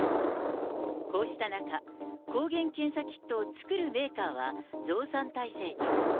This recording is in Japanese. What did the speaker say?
こうした中、抗原検査キットを作るメーカーは、増産体制に。